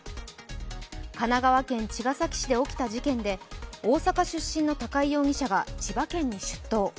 神奈川県茅ヶ崎市で起きた事件で大阪出身の高井容疑者が千葉県に出頭。